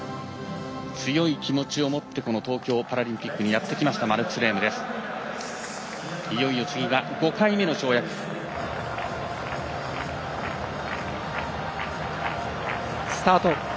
強い気持ちをもって、この東京パラリンピックにやってきましたマルクス・レームです。